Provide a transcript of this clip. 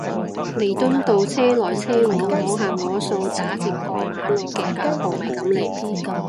彌敦道車來車往都我行我素打直過馬路啲阿婆咪噉嚟